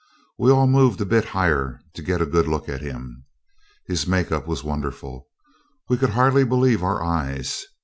We all moved a bit higher to get a good look at him. His make up was wonderful. We could hardly believe our eyes.